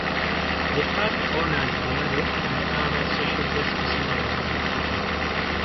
The park honors Gladden and other social justice leaders of the city.